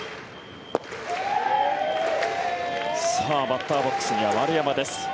バッターボックスには丸山です。